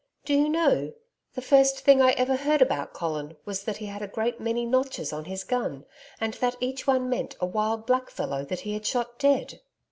Do you know the first thing I ever heard about Colin was that he had a great many notches on his gun, and that each one meant a wild black fellow that he had shot dead.'